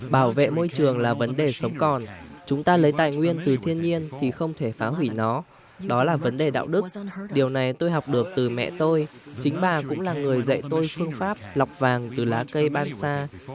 bảo vệ môi trường là vấn đề sống còn chúng ta lấy tài nguyên từ thiên nhiên thì không thể phá hủy nó đó là vấn đề đạo đức điều này tôi học được từ mẹ tôi chính bà cũng là người dạy tôi phương pháp lọc vàng từ lá cây ban xa